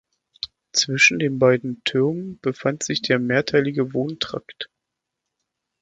Zwischen den beiden Türmen befand sich der mehrteilige Wohntrakt.